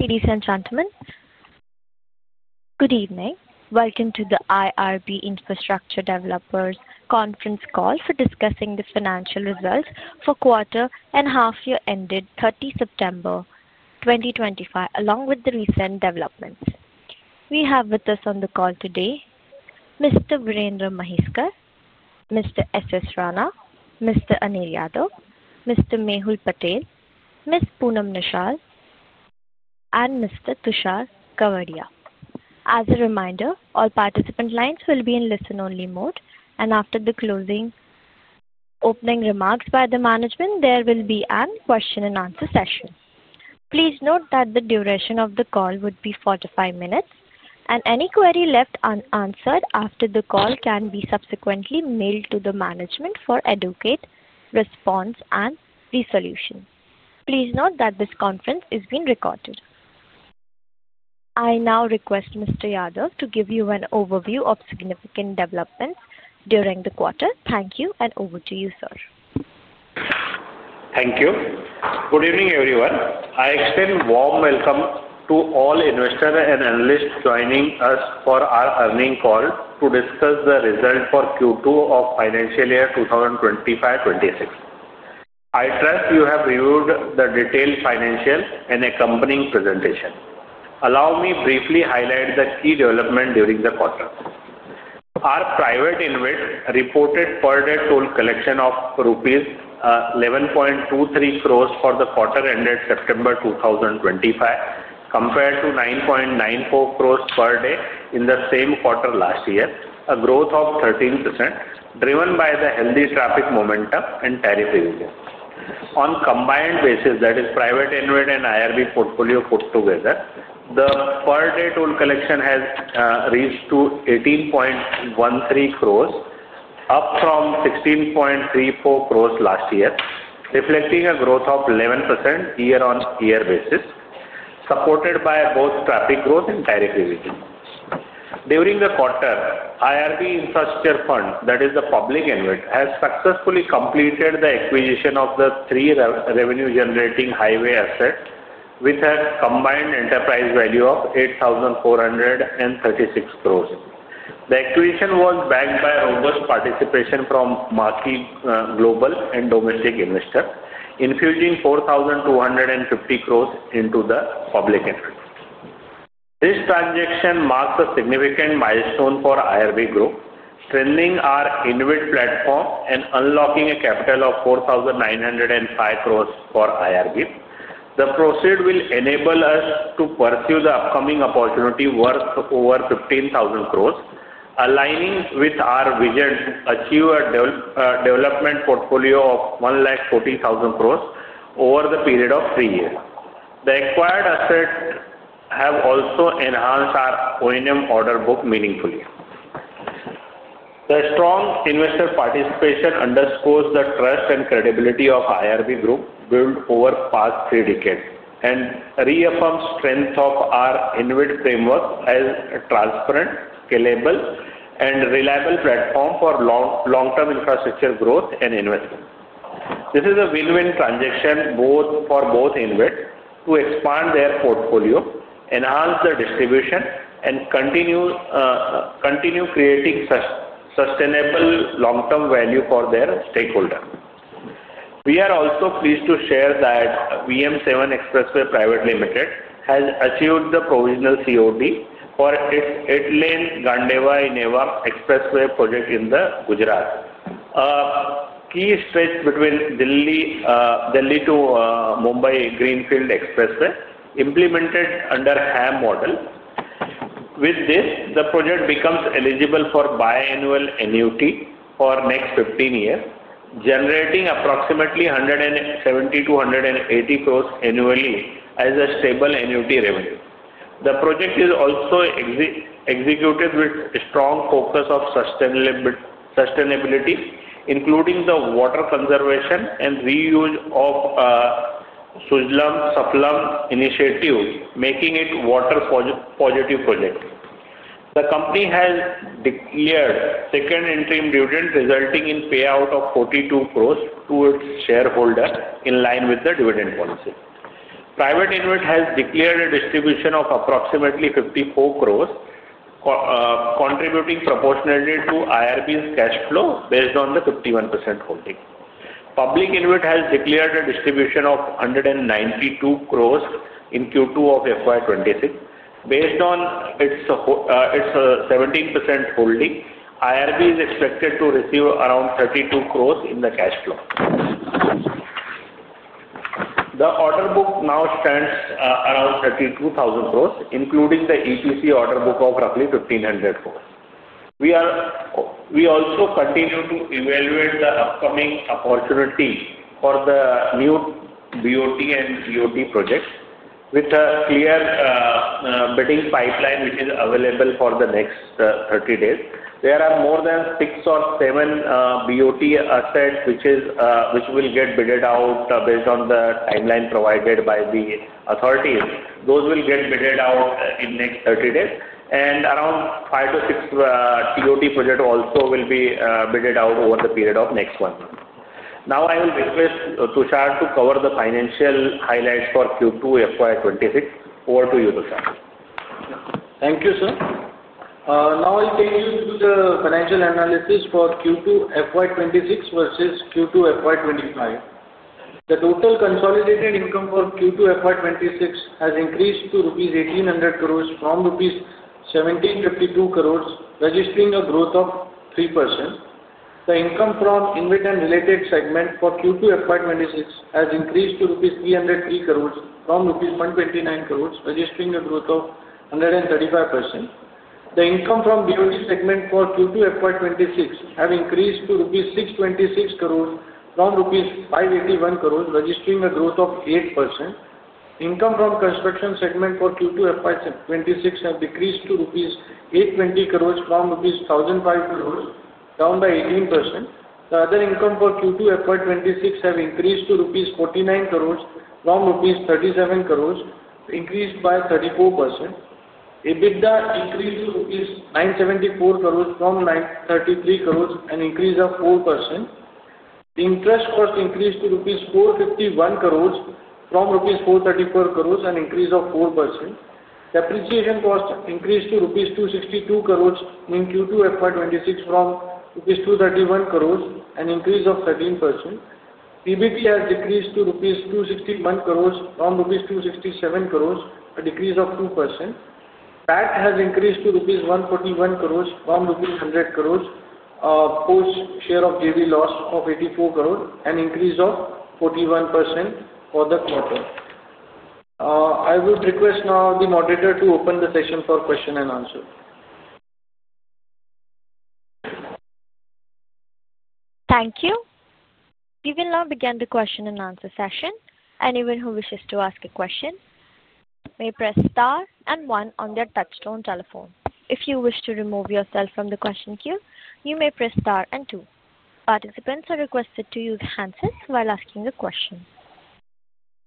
Ladies and gentlemen. Good evening. Welcome to the IRB Infrastructure Developers conference call for discussing the financial results for quarter and half-year ended 30 September 2025, along with the recent developments. We have with us on the call today Mr. Virendra Mhaiskar, Mr. S.S. Rana, Mr. Anil Yadav, Mr. Mehul Patel, Ms. Poonam Nishal, and Mr. Tushar Kawedia. As a reminder, all participant lines will be in listen-only mode, and after the opening remarks by the management, there will be a question-and-answer session. Please note that the duration of the call would be 45 minutes, and any query left unanswered after the call can be subsequently mailed to the management for educated response and resolution. Please note that this conference is being recorded. I now request Mr. Yadav to give you an overview of significant developments during the quarter. Thank you, and over to you, sir. Thank you. Good evening, everyone. I extend a warm welcome to all investors and analysts joining us for our earning call to discuss the result for Q2 of financial year 2025-2026. I trust you have reviewed the detailed financial and accompanying presentation. Allow me to briefly highlight the key development during the quarter. Our private investors reported per-day toll collection of rupees 11.23 crore for the quarter ended September 2025, compared to 9.94 crore per day in the same quarter last year, a growth of 13%, driven by the healthy traffic momentum and tariff revision. On a combined basis, that is, private investors and IRB portfolio put together, the per-day toll collection has reached 18.13 crore, up from 16.34 crore last year, reflecting a growth of 11% year-on-year basis, supported by both traffic growth and tariff revision. During the quarter, IRB Infrastructure Fund, that is, the public investor, has successfully completed the acquisition of the three revenue-generating highway assets with a combined enterprise value of 8,436 crore. The acquisition was backed by robust participation from market global and domestic investors, infusing 4,250 crore into the public investor. This transaction marks a significant milestone for IRB growth, strengthening our investment platform and unlocking a capital of 4,905 crore for IRB. The proceeds will enable us to pursue the upcoming opportunity worth over 15,000 crore, aligning with our vision to achieve a development portfolio of 140,000 crore over the period of three years. The acquired assets have also enhanced our O&M order book meaningfully. The strong investor participation underscores the trust and credibility of IRB Group built over the past three decades and reaffirms the strength of our investment framework as a transparent, scalable, and reliable platform for long-term infrastructure growth and investment. This is a win-win transaction for both investors to expand their portfolio, enhance the distribution, and continue creating sustainable long-term value for their stakeholders. We are also pleased to share that VM7 Expressway Private Limited has achieved the provisional COD for its [at line] Gandeva-Ena Expressway project in Gujarat. A key stretch between Delhi to Mumbai Greenfield Expressway is implemented under the HAM model. With this, the project becomes eligible for biannual NUT for the next 15 years, generating approximately 170,000 crore-180,000 crore annually as a stable NUT revenue. The project is also executed with a strong focus on sustainability, including the water conservation and reuse of the Sujalam Sufalam Initiative, making it a water-positive project. The company has declared a second interim dividend, resulting in a payout of 42 crore to its shareholders in line with the dividend policy. Private investors have declared a distribution of approximately 34 crore, contributing proportionally to IRB's cash flow based on the 51% holding. Public investors have declared a distribution of 192 crore in Q2 of FY 2026. Based on its 17% holding, IRB is expected to receive around 32 crore in the cash flow. The order book now stands at around 32,000 crore, including the EPC order book of roughly 1,500 crore. We also continue to evaluate the upcoming opportunity for the new BOT and TOT projects with a clear bidding pipeline which is available for the next 30 days. There are more than six or seven BOT assets which will get bidded out based on the timeline provided by the authorities. Those will get bidded out in the next 30 days, and around five to six TOT projects also will be bidded out over the period of the next one month. Now, I will request Tushar to cover the financial highlights for Q2 FY 2026. Over to you, Tushar. Thank you, sir. Now, I'll take you through the financial analysis for Q2 FY 2026 versus Q2 FY 2025. The total consolidated income for Q2 FY 2026 has increased to 1,800 crore rupees from 1,752 crore rupees, registering a growth of 3%. The income from investment and related segments for Q2 FY 2026 has increased to INR 303 crore from INR 129 crore, registering a growth of 135%. The income from BOT segments for Q2 FY 2026 has increased to 626 crore rupees from 581 crore rupees, registering a growth of 8%. Income from construction segments for Q2 FY 2026 has decreased to INR 820 crore from INR 1,005 crore, down by 18%. The other income for Q2 FY 2026 has increased to INR 49 crore from INR 37 crore, increased by 34%. EBITDA increased to INR 974 crore from INR 933 crore, an increase of 4%. Interest cost increased to INR 451 crore from rupees 434 crore, an increase of 4%. Depreciation cost increased to rupees 262 crore in Q2 FY 2026 from rupees 231 crore, an increase of 13%. EBITDA has decreased to rupees 261 crore from rupees 267 crore, a decrease of 2%. PAT has increased to rupees 141 crore from rupees 100 crore, post-share of JV loss of 84 crore, an increase of 41% for the quarter. I would request now the moderator to open the session for questions and answers. Thank you. We will now begin the question and answer session. Anyone who wishes to ask a question may press star and one on their touchstone telephone. If you wish to remove yourself from the question queue, you may press star and two. Participants are requested to use handsets while asking a question.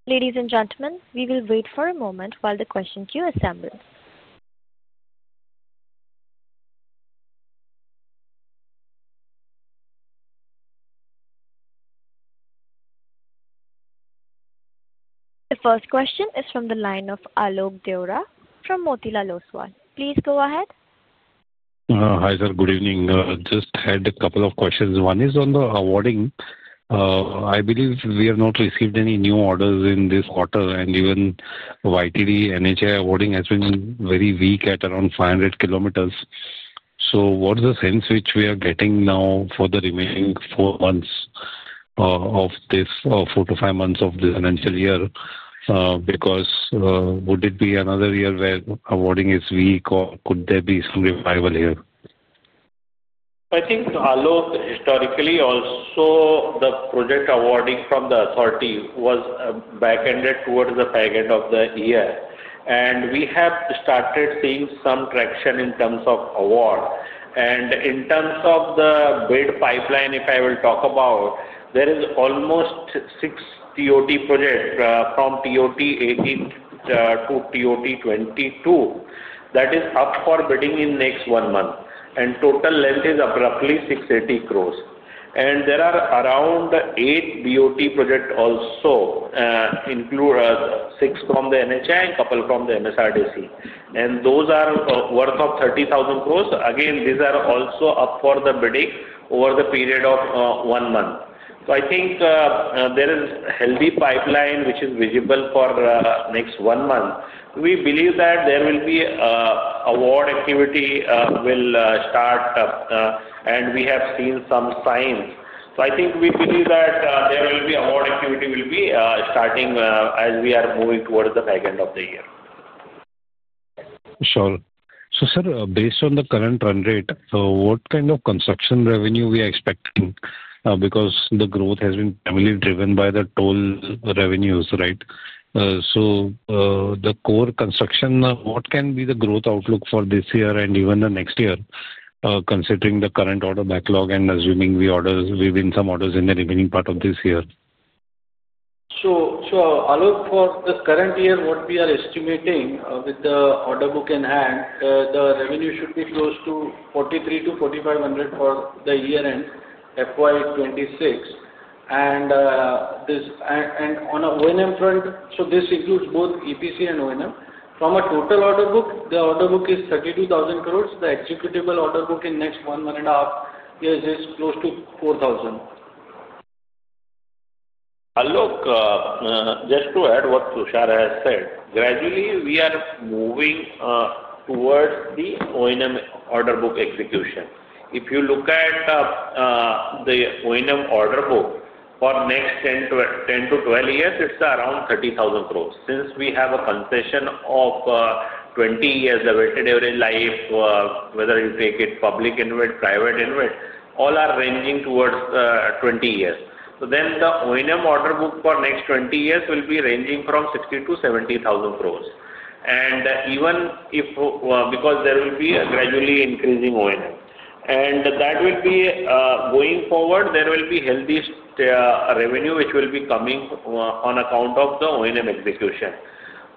Ladies and gentlemen, we will wait for a moment while the question queue assembles. The first question is from the line of Alok Deora from Motilal Oswal. Please go ahead. Hi sir, good evening. Just had a couple of questions. One is on the awarding. I believe we have not received any new orders in this quarter, and even YTD NHAI awarding has been very weak at around 500 km. What is the sense which we are getting now for the remaining four to five months of the financial year? Because would it be another year where awarding is weak, or could there be some revival here? I think, Alok, historically, also the project awarding from the authority was back-ended towards the fag end of the year, and we have started seeing some traction in terms of award. In terms of the bid pipeline, if I will talk about, there is almost six TOT projects from TOT 18 to TOT 22 that is up for bidding in the next one month, and total length is roughly 680 crore. There are around eight BOT projects also, six from the NHAI and a couple from the MSRDC, and those are worth 30,000 crore. These are also up for the bidding over the period of one month. I think there is a healthy pipeline which is visible for the next one month. We believe that there will be award activity that will start, and we have seen some signs. I think we believe that there will be award activity starting as we are moving towards the fag end of the year. Sure. Sir, based on the current run rate, what kind of construction revenue are we expecting? Because the growth has been heavily driven by the toll revenues, right? The core construction, what can be the growth outlook for this year and even the next year, considering the current order backlog and assuming we have some orders in the remaining part of this year? Sure. Alok, for the current year, what we are estimating with the order book in hand, the revenue should be close to 43,000 crore-45,000 crore for the year-end FY 2026. On the O&M front, this includes both EPC and O&M, from a total order book, the order book is 32,000 crore. The executable order book in the next one and a half years is close to 4,000 crore. Alok, just to add what Tushar has said, gradually we are moving towards the O&M order book execution. If you look at the O&M order book for the next 10-12 years, it is around 30,000 crore. Since we have a concession of 20 years, the weighted average life, whether you take it public invest, private invest, all are ranging towards 20 years. The O&M order book for the next 20 years will be ranging from 60,000 crore-70,000 crore. Even if, because there will be a gradually increasing O&M, and that will be going forward, there will be healthy revenue which will be coming on account of the O&M execution.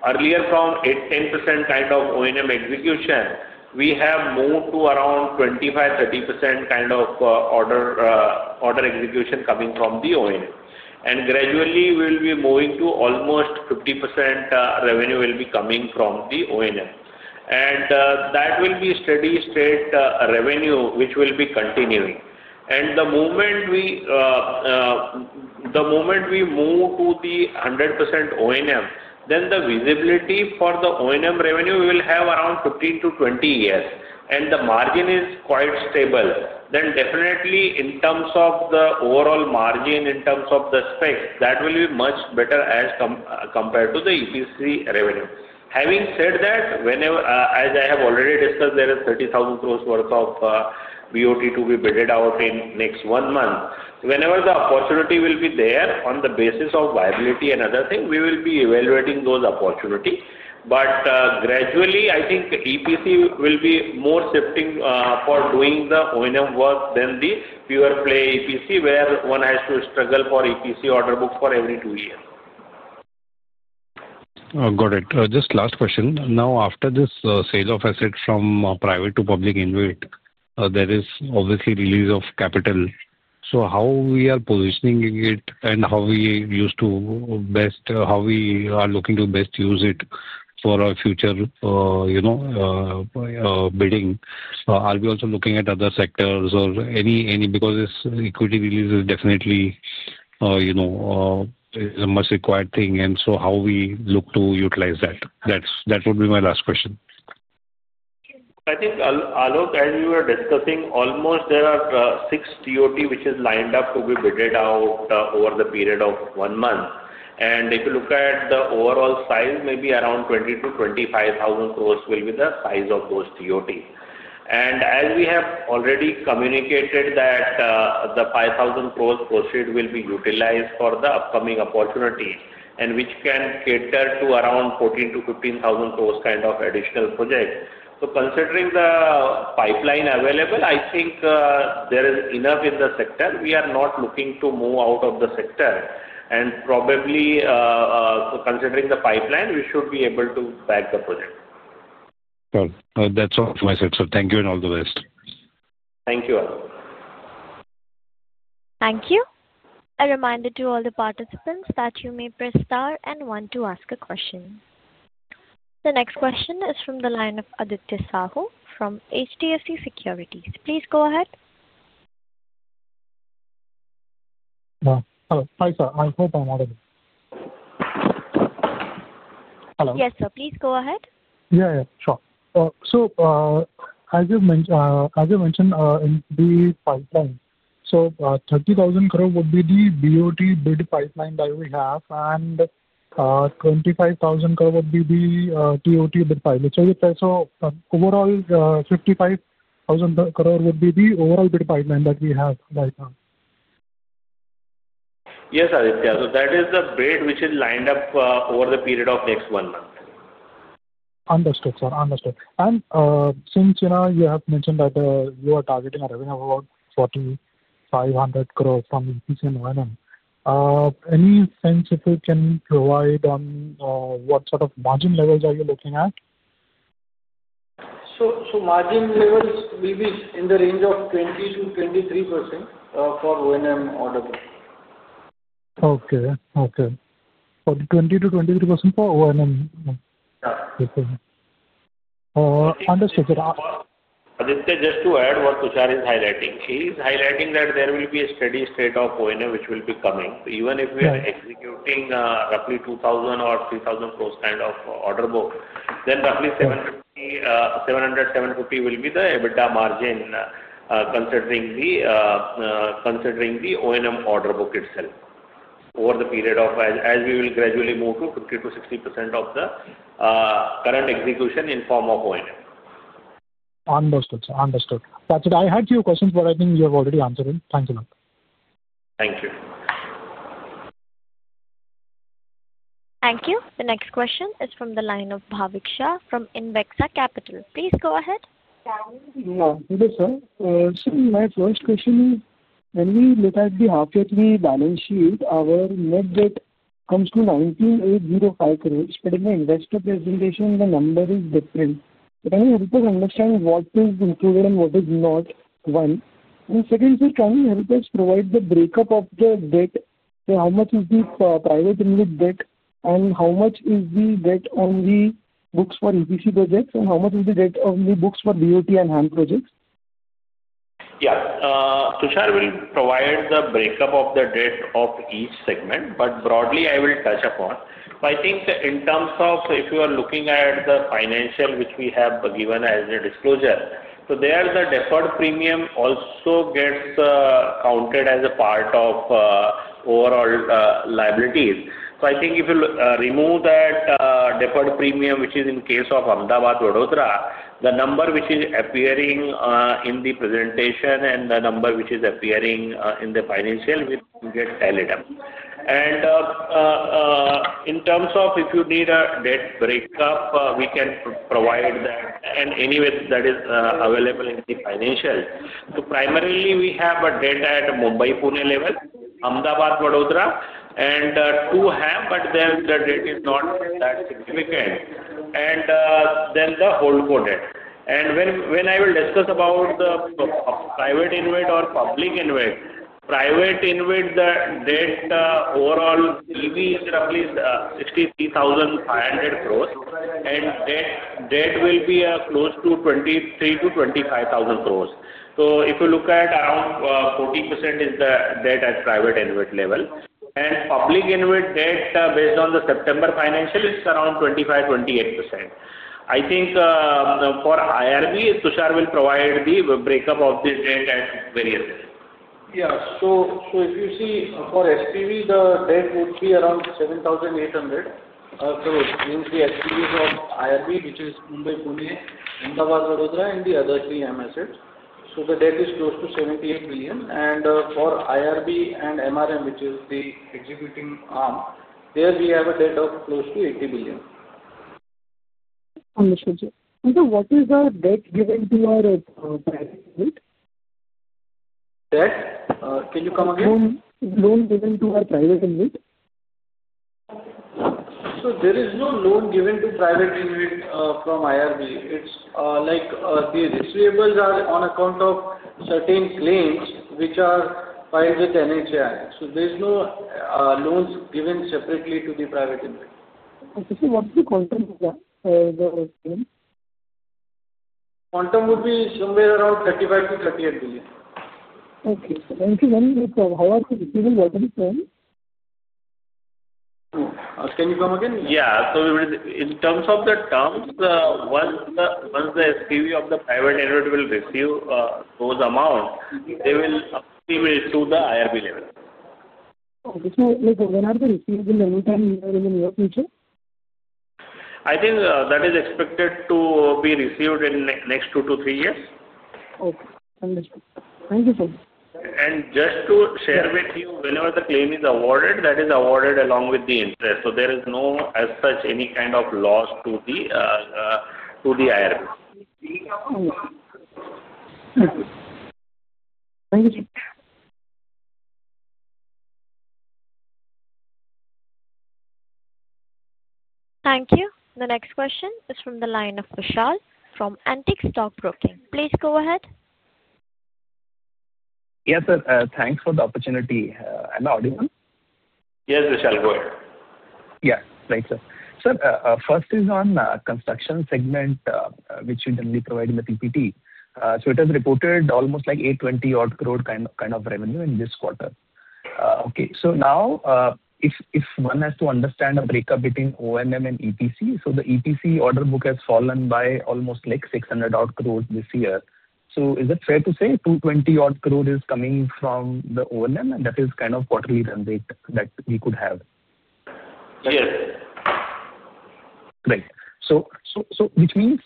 Earlier, from 10% kind of O&M execution, we have moved to around 25%-30% kind of order execution coming from the O&M. Gradually, we will be moving to almost 50% revenue will be coming from the O&M. That will be steady-state revenue which will be continuing. The moment we move to the 100% O&M, then the visibility for the O&M revenue will have around 15-20 years, and the margin is quite stable. In terms of the overall margin, in terms of the specs, that will be much better as compared to the EPC revenue. Having said that, as I have already discussed, there is 30,000 crore worth of BOT to be bidded out in the next one month. Whenever the opportunity will be there, on the basis of viability and other things, we will be evaluating those opportunities. Gradually, I think EPC will be more shifting for doing the O&M work than the pure play EPC, where one has to struggle for EPC order book for every two years. Got it. Just last question. Now, after this sale of assets from private to public invest, there is obviously a release of capital. How are we positioning it, and how are we used to best, how are we looking to best use it for our future bidding? Are we also looking at other sectors or any? Because this equity release is definitely a must-required thing, and how do we look to utilize that? That would be my last question. I think, Alok, as we were discussing, almost there are six TOT which are lined up to be bidded out over the period of one month. If you look at the overall size, maybe around 20,000-25,000 crore will be the size of those TOT. As we have already communicated, the 5,000 crore proceed will be utilized for the upcoming opportunities, which can cater to around 14,000-15,000 crore kind of additional projects. Considering the pipeline available, I think there is enough in the sector. We are not looking to move out of the sector. Probably, considering the pipeline, we should be able to pack the project. Sure. That's all from my side, sir. Thank you, and all the best. Thank you, Alok. Thank you. A reminder to all the participants that you may press star and one to ask a question. The next question is from the line of Aditya Sahu from HDFC Securities. Please go ahead. Hello. Hi, sir. I hope I'm audible. Hello. Yes, sir. Please go ahead. Yeah, yeah. Sure. As you mentioned, the pipeline, 30,000 crore would be the BOT bid pipeline that we have, and 25,000 crore would be the TOT bid pipeline. Overall, 55,000 crore would be the overall bid pipeline that we have right now. Yes, Aditya. That is the bid which is lined up over the period of the next one month. Understood, sir. Understood. Since you have mentioned that you are targeting a revenue of about 4,500 crore from EPC and O&M, any sense if you can provide on what sort of margin levels are you looking at? Margin levels will be in the range of 20%-23% for O&M order book. Okay. Okay. For the 20%-23% for O&M? Yeah. Okay. Understood, sir. Aditya, just to add what Tushar is highlighting, he is highlighting that there will be a steady-state of O&M which will be coming. Even if we are executing roughly 2,000 crore-3,000 crore kind of order book, then roughly 750 crore will be the EBITDA margin considering the O&M order book itself over the period of as we will gradually move to 50%-60% of the current execution in the form of O&M. Understood, sir. Understood. That's it. I had a few questions, but I think you have already answered them. Thank you, Alok. Thank you. Thank you. The next question is from the line of Bhavik Shah from Invexa Capital. Please go ahead. Yeah. Hello, sir. My first question is, when we look at the half-year balance sheet, our net debt comes to INR 1,980 crore, but in the investor presentation, the number is different. Can you help us understand what is included and what is not? One. Second, sir, can you help us provide the breakup of the debt? How much is the private invest debt, how much is the debt on the books for EPC projects, and how much is the debt on the books for BOT and HAM projects? Yeah. Tushar will provide the breakup of the debt of each segment, but broadly, I will touch upon. I think in terms of if you are looking at the financial which we have given as a disclosure, there the deferred premium also gets counted as a part of overall liabilities. I think if you remove that deferred premium, which is in the case of Ahmedabad-Vadodara, the number which is appearing in the presentation and the number which is appearing in the financial, we get LIM. In terms of if you need a debt breakup, we can provide that. Anyway, that is available in the financial. Primarily, we have a debt at Mumbai-Pune level, Ahmedabad-Vadodara, and two have, but their debt is not that significant. Then the whole co-debt. When I discuss about the private invest or public invest, private invest, the debt overall EV is roughly INR 63,500 crore, and debt will be close to INR 23,000 crore-INR 25,000 crore. If you look at around 40% is the debt at private invest level. Public invest debt, based on the September financial, is around 25%-28%. I think for IRB, Tushar will provide the breakup of the debt at various levels. Yeah. If you see, for SPV, the debt would be around 7,800 crore, which means the SPV for IRB, which is Mumbai-Pune, Ahmedabad-Vadodara, and the other three HAM assets. The debt is close to 78 billion. For IRB and MRM, which is the executing arm, there we have a debt of close to 80 billion. Understood, sir. Sir, what is the debt given to our private invest? Debt? Can you come again? Loan given to our private investee? There is no loan given to private invest from IRB. It's like the receivables are on account of certain claims which are filed with NHAI. There is no loans given separately to the private invest. Okay. Sir, what is the quantum? Quantum would be somewhere around 35 billion-38 billion. Okay. Thank you very much, sir. How are the receivables? What are the terms? Can you come again? Yeah. In terms of the terms, once the SPV of the private invest will receive those amounts, they will be able to the IRB level. Okay. Sir, when are the receivables anytime nearer in the near future? I think that is expected to be received in the next two to three years. Okay. Understood. Thank you, sir. Just to share with you, whenever the claim is awarded, that is awarded along with the interest. There is no, as such, any kind of loss to the IRB. Okay. Thank you, sir. Thank you. The next question is from the line of Vishal from Antique Stock Broking. Please go ahead. Yes, sir. Thanks for the opportunity. Am I audible? Yes, Vishal, go ahead. Yeah. Thanks, sir. Sir, first is on construction segment, which you generally provide in the TPT. It has reported almost 820 crore kind of revenue in this quarter. Okay. Now, if one has to understand a breakup between O&M and EPC, the EPC order book has fallen by almost 600 crore this year. Is it fair to say 220 crore is coming from the O&M, and that is kind of quarterly run rate that we could have? Yes. Great. Which means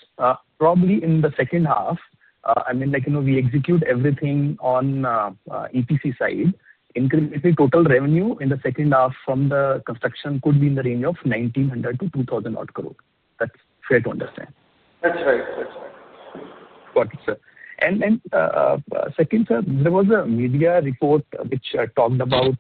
probably in the second half, I mean, we execute everything on EPC side, incrementally total revenue in the second half from the construction could be in the range of 1,900 crore-2,000 crore. That's fair to understand. That's right. That's right. Got it, sir. Second, sir, there was a media report which talked about,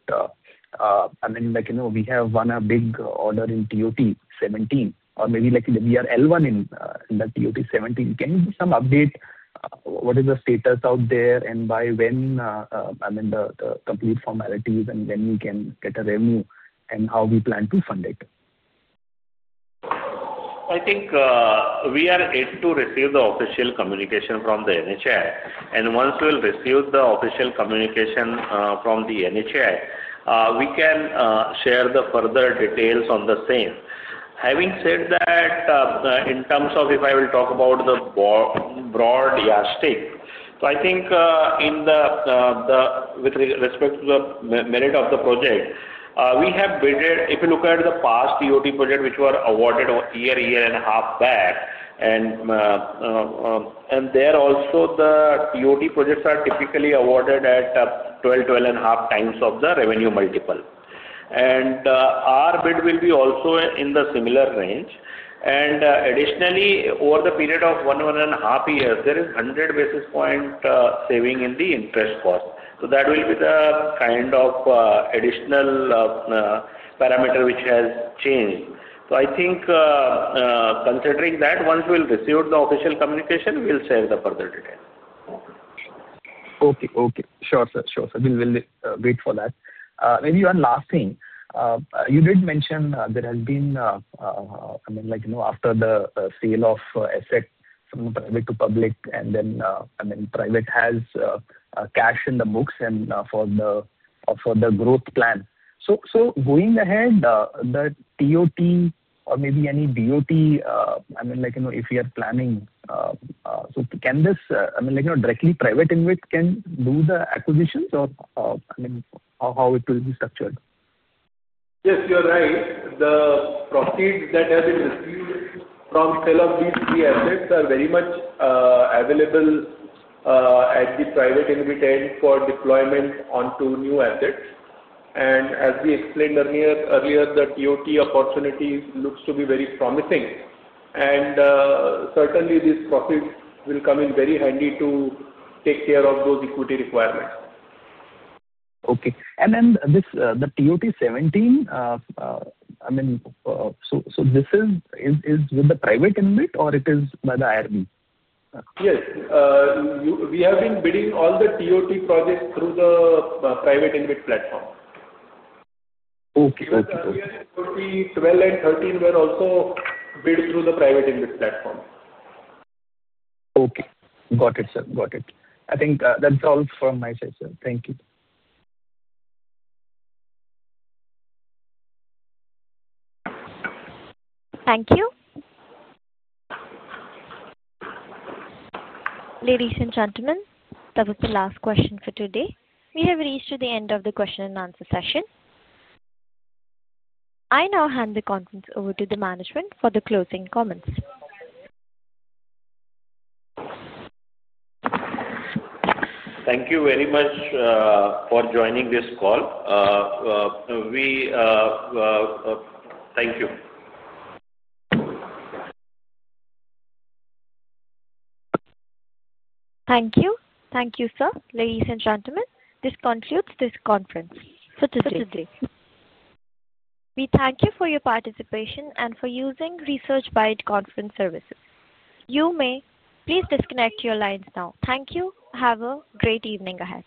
I mean, we have won a big order in TOT 17, or maybe we are L1 in the TOT 17. Can you give some update? What is the status out there, and by when, I mean, the complete formalities, and when we can get a revenue, and how we plan to fund it? I think we are yet to receive the official communication from the NHAI. Once we receive the official communication from the NHAI, we can share the further details on the same. Having said that, in terms of if I will talk about the broad yardstick, I think in respect to the merit of the project, we have bid. If you look at the past TOT projects which were awarded a year, year and a half back, there also, the TOT projects are typically awarded at 12x-12.5x of the revenue multiple. Our bid will be also in the similar range. Additionally, over the period of one and a half years, there is 100 basis point saving in the interest cost. That will be the kind of additional parameter which has changed. I think considering that, once we'll receive the official communication, we'll share the further details. Okay. Okay. Sure, sir. Sure, sir. We'll wait for that. Maybe one last thing. You did mention there has been, I mean, after the sale of assets from private to public, and then, I mean, private has cash in the books for the growth plan. Going ahead, the TOT or maybe any BOT, I mean, if you are planning, can this, I mean, directly private invest can do the acquisitions, or, I mean, how it will be structured? Yes, you're right. The profits that have been received from sale of these three assets are very much available at the private invest end for deployment onto new assets. As we explained earlier, the TOT opportunity looks to be very promising. Certainly, these profits will come in very handy to take care of those equity requirements. Okay. And then the TOT 17, I mean, so this is with the private invest, or it is by the IRB? Yes. We have been bidding all the TOT projects through the private invest platform. Okay. Okay. Year 12 and 13 were also bid through the private invest platform. Okay. Got it, sir. Got it. I think that's all from my side, sir. Thank you. Thank you. Ladies and gentlemen, that was the last question for today. We have reached the end of the question and answer session. I now hand the conference over to the management for the closing comments. Thank you very much for joining this call. Thank you. Thank you. Thank you, sir. Ladies and gentlemen, this concludes this conference for today. We thank you for your participation and for using Researchbytes conference services. You may please disconnect your lines now. Thank you. Have a great evening ahead.